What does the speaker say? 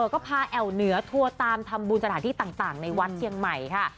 ก็พาแอวเหนือทัวร์ตามทำบุญสถานที่ต่างในวัดเชียงใหม่ค่ะ